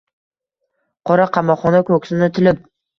Qora qamoqxona koʻksini tilib